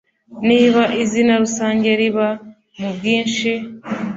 niba izina rusange riba mu bwinshi